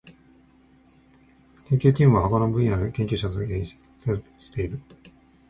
研究チームは他の分野の研究者と協力し、今後も研究を加速させていきたいとしている。